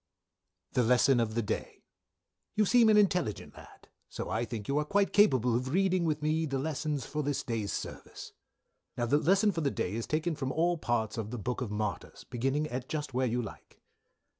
"The Lesson of the Day." "You seem an intelligent lad, so I think you are quite capable of Reading with me the Lessons for this day's service. "Now the Lesson for the day is taken from all parts of the Book of Martyr's, beginning at just where you like.